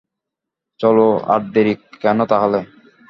চলো আর দেরি কেন তাহলে!